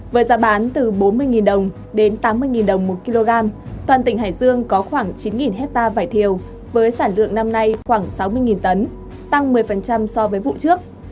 với giá bán từ bốn mươi đồng đến tám mươi đồng một kg toàn tỉnh hải dương có khoảng chín hectare vải thiều với sản lượng năm nay khoảng sáu mươi tấn tăng một mươi so với vụ trước